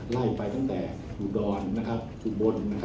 ไล่ไปตั้งแต่อุดรอุบล